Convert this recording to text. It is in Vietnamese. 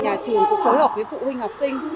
nhà trường cũng phối hợp với phụ huynh học sinh